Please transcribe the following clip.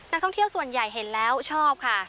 นักท่องเที่ยวส่วนใหญ่เห็นแล้วชอบค่ะ